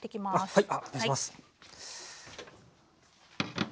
はい。